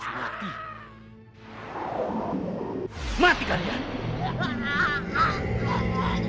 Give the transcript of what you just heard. kalian lebih pantas mati